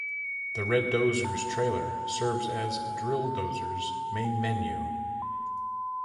The Red Dozers' Trailer serves as "Drill Dozer"'s "main menu".